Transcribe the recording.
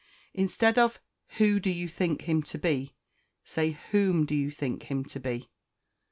Instead of "Who do you think him to be?" say, "Whom do you think him to be?"